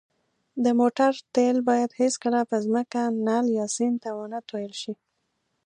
د موټر تېل باید هېڅکله په ځمکه، نل، یا سیند ته ونهتوېل ش